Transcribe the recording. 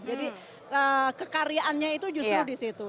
jadi kekaryaan nya itu justru disitu